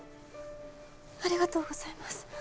ありがとうございます。